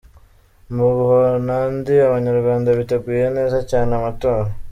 Mu Buhonadi Abanyarwanda biteguye neza cyane amatora.